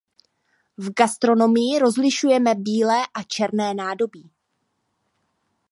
V gastronomii rozlišujeme bílé a černé nádobí.